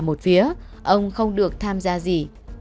ông không được tham gia gì